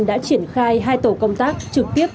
đã triển khai hai tàu công tác trực tiếp